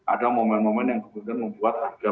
ada momen momen yang kemudian membuat harga